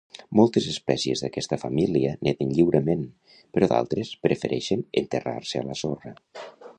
Moltes espècies d'aquesta família neden lliurement però d'altres prefereixen enterrar-se a la sorra.